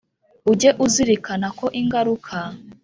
Ujye uzirikana ko ingaruka